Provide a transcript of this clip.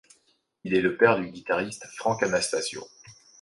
Il est le père du guitariste Frank Anastasio.